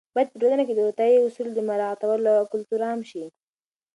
باید په ټولنه کې د روغتیايي اصولو د مراعاتولو کلتور عام شي.